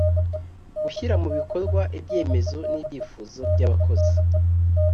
Gushyira mu bikorwa ibyemezo n’ ibyifuzo by’abakozi